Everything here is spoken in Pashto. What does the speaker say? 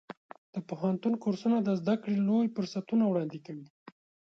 د پوهنتون کورسونه د زده کړې لوی فرصتونه وړاندې کوي.